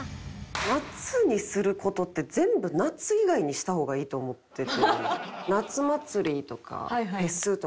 夏にする事って全部夏以外にした方がいいと思ってて。